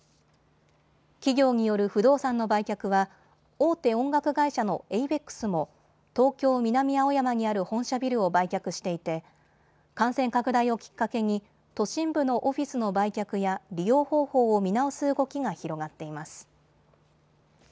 企業による不動産の売却は大手音楽会社のエイベックスも東京南青山にある本社ビルを売却していて感染拡大をきっかけに都心部のオフィスの売却や利用方法を見直す動きが広がっています。